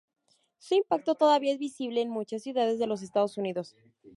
Su impacto todavía es visible en muchas ciudades de los Estados Unidos.